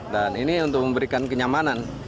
dan ini untuk memberikan kenyamanan